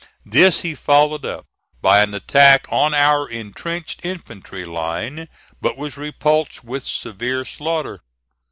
This he followed up by an attack on our intrenched infantry line, but was repulsed with severe slaughter.